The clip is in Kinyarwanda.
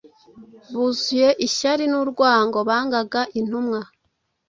buzuye ishyari n’urwango bangaga intumwa,